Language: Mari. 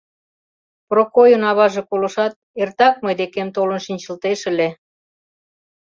— Прокойын аваже колышат, эртак мый декем толын шинчылтеш ыле...